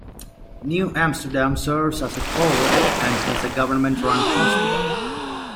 New Amsterdam serves as a port and has a government-run hospital.